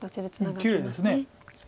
きれいです。